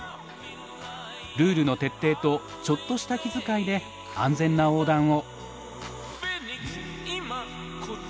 ルールの徹底とちょっとした気遣いで安全な横断を。